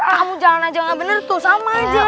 kamu jalan aja nggak benar tuh sama aja